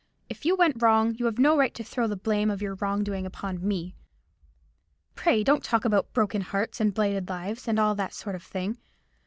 If you went wrong, you have no right to throw the blame of your wrong doing upon me. Pray don't talk about broken hearts, and blighted lives, and all that sort of thing.